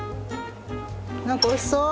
何かおいしそう。